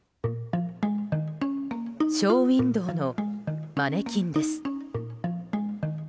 ショーウィンドーのマネキンです。